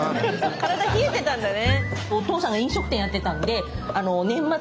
体冷えてたんだね。